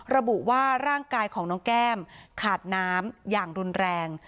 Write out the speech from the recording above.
ระบุว่าร่างกายของน้องแก้มขาดน้ำอย่างรุนแรง